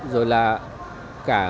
rồi là cả